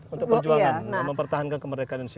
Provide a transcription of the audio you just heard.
untuk perjuangan mempertahankan kemerdekaan indonesia